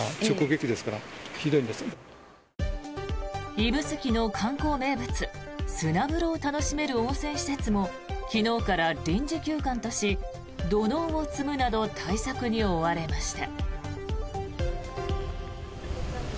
指宿の観光、名物砂風呂を楽しめる温泉施設も昨日から臨時休館とし土のうを積むなど対策に追われました。